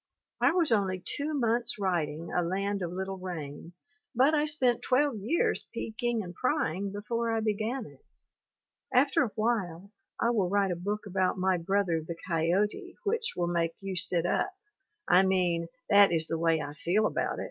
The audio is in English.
I was only two months writing "A Land of Little Rain" but I spent 12 years peeking and prying before I began it. After a while I will write a book about my brother the coyote which will make you "sit up," I mean that is the way I feel about it.